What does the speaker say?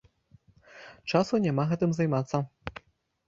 Часу няма гэтым займацца.